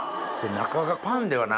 中がパンではない。